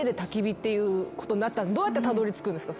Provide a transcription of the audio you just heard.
どうやってたどりつくんですか？